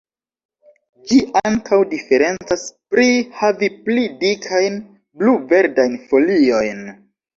Ĝi ankaŭ diferencas pri havi pli dikajn, blu-verdajn foliojn.